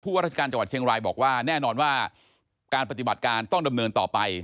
ว่าราชการจังหวัดเชียงรายบอกว่าแน่นอนว่าการปฏิบัติการต้องดำเนินต่อไป